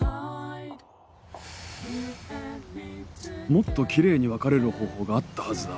もっと奇麗に別れる方法があったはずだ。